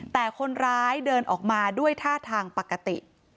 แต่คนร้ายเดินออกมาด้วยท่าทางปกติ